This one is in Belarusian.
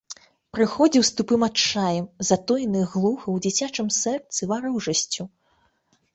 Прыходзіў з тупым адчаем, з затоенай глуха ў дзіцячым сэрцы варожасцю.